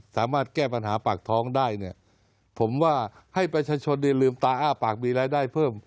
สามารถแก้ปัญหาปากท้องได้เนี่ยผมว่าให้ประชาชนได้ลืมตาอ้าปากมีรายได้เพิ่ม